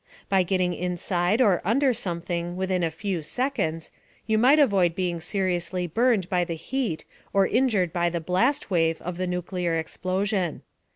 By getting inside or under something within a few seconds, you might avoid being seriously burned by the heat or injured by the blast wave of the nuclear explosion.